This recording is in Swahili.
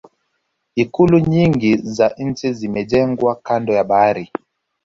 ikulu nyingi za nchi zimejengwa kando ya bahari